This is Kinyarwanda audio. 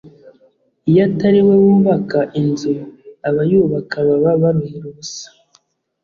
iyo atari we wubaka inzu abayubaka baba baruhira ubusa